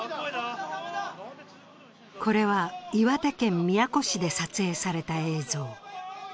これは岩手県宮古市で撮影された映像。